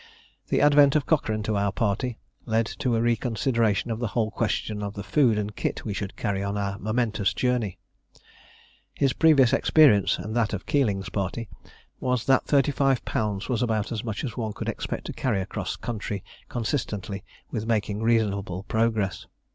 The advent of Cochrane to our party led to a reconsideration of the whole question of the food and kit we should carry on our momentous journey. His previous experience and that of Keeling's party was that 35 lb. was about as much as one could expect to carry across country consistently with making reasonable progress.